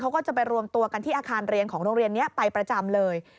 ก็จะไปรวมตัวกันที่อาคารเรียนของโรงเรียนนี้ไปประจำเลย